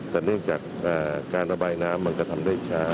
แต่เนื่องจากการระบายน้ำมันก็ทำได้ช้า